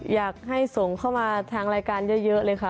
อยากให้ส่งเข้ามาทางรายการเยอะเลยค่ะ